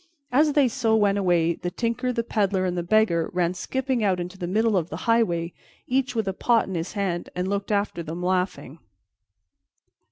As they so went away, the Tinker, the Peddler, and the Beggar ran skipping out into the middle of the highway, each with a pot in his hand, and looked after them laughing.